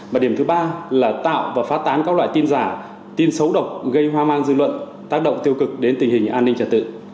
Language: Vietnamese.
mà điểm thứ ba là tạo và phát tán các loại tin giả tin xấu độc gây hoa mang dư luận tác động tiêu cực đến tình hình an ninh trật tự